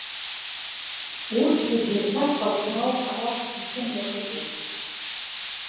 Урҭ зегьы рқьаф ҟаҵаны ауп арахь ишымҩахыҵыз.